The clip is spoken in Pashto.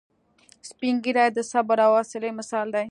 سپین ږیری د صبر او حوصلې مثال دی